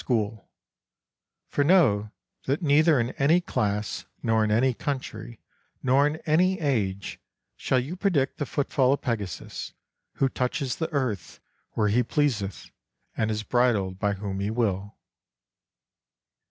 school; for know that neither in any class, nor in any country, nor in any age, shall you predict the footfall of Pegasus, who touches the earth where he pleaseth and is bridled by whom he will.